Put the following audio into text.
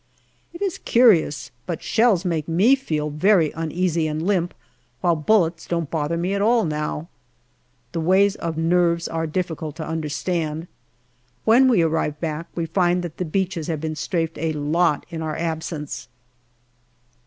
It is curious, but shells make me feel very uneasy and limp, while bullets don't bother me at all now. The ways of nerves are difficult to understand. When we arrive back we find that the beaches have been strafed a lot in our absence.